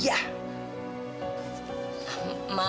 mgak punya otak